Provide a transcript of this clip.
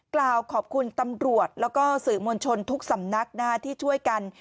กล่าวขอบคุณตำรวจแล้วก็สื่อมวลชนทุกสำนักที่ช่วยกัน